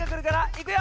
いくよ！